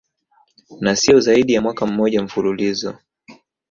na siyo zaidi ya mwaka mmoja mfululizo